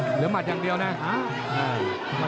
เหลือหมัดอย่างเดียวนะ